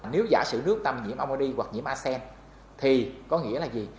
nếu giả sử nước ta mà nhiễm ammoni hoặc nhiễm arsen thì có nghĩa là gì